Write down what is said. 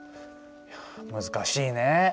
難しいね。